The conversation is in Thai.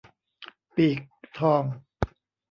ปีกทอง